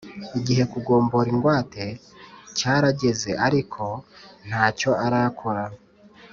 igihe kugombora ingwate cyarageze ariko ntacyo arakora